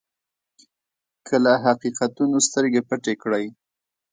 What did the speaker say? که له حقیقتونو سترګې پټې کړئ.